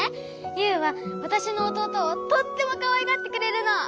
ユウはわたしのおとうとをとってもかわいがってくれるの！